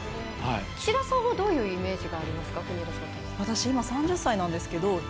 岸田さんはどういうイメージがありますか？